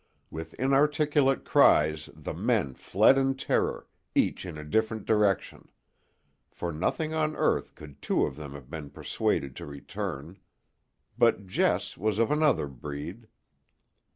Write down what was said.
With inarticulate cries the men fled in terror, each in a different direction. For nothing on earth could two of them have been persuaded to return. But Jess was of another breed.